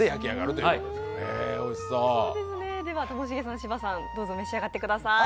ともしげさん、芝さんどうぞ召し上がってください。